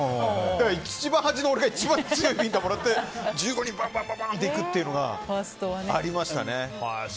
だから一番端の俺が一番強いビンタをもらって１５人、バンバンっていくというのがありましたね。